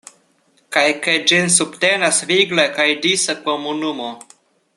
Kaj ke ĝin subtenas vigla kaj disa komunumo.